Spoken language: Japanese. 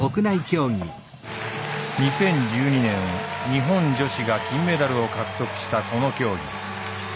２０１２年日本女子が金メダルを獲得したこの競技。